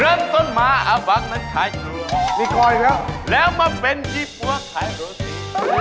เริ่มต้นมาอาบังมันขายชัวร์แล้วมาเป็นดีปลัวขายโรศี